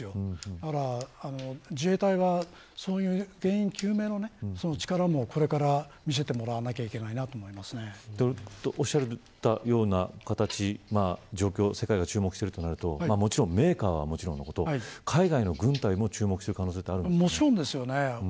だから自衛隊は原因究明の力も、これから見せてもらわなければおっしゃられたような状況世界が注目しているとなるとメーカーはもちろんですが海外の軍隊も注目しているもちろんです。